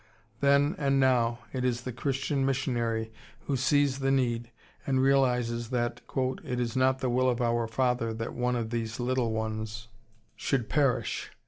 Then and now it is the Christian missionary who sees the need and realizes that "it is not the will of our Father that one of these little ones should perish."